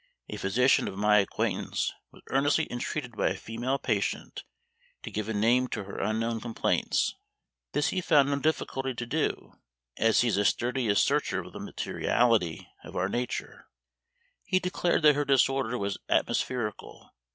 A physician of my acquaintance was earnestly entreated by a female patient to give a name to her unknown complaints; this he found no difficulty to do, as he is a sturdy asserter of the materiality of our nature; he declared that her disorder was atmospherical.